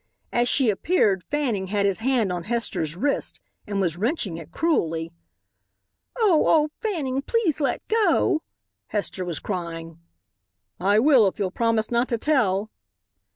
As she appeared Fanning had his hand on Hester's wrist and was wrenching it cruelly. "Oh! oh! Fanning, please let go!" Hester was crying. "I will if you'll promise not to tell."